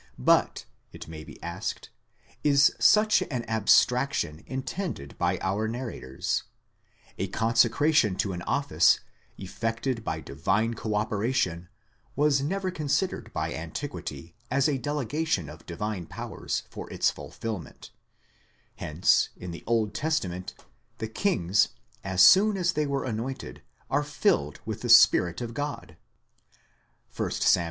But, it may be asked, is such an abstraction in tended by our narrators? A consecration to an office, effected by divine co operation, was ever considered by antiquity as a delegation of divine powers for its fulfilment; hence, in the Old Testament, the kings, as soon as they are anointed, are filled with the spirit of God (1 Sam.